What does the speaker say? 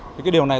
cái điều này